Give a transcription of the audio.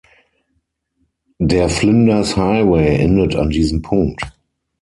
Der Flinders Highway endet an diesem Punkt.